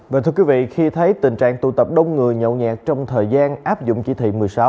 vâng thưa quý vị khi thấy tình trạng tụ tập đông người nhậu nhẹt trong thời gian áp dụng chỉ thị một mươi sáu